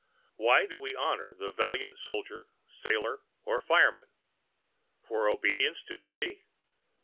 Why do we honor the valiant soldier, sailor, fireman? For obedience to duty?